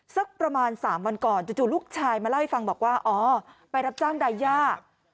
สักประมาณ๓วันก่อนจู่ลูกชายมาเล่าให้ฟังบอกว่าอ๋อไปรับจ้างไดย่า